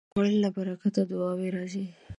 خوړل له برکته دعاوې راځي